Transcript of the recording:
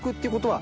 は。